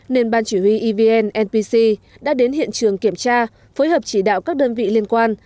nên ban chỉ huy evn npc đã đến hiện trường kiểm tra phối hợp chỉ đạo các đơn vị liên quan